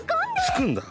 つくんだ。